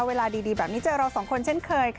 เวลาดีแบบนี้เจอเราสองคนเช่นเคยค่ะ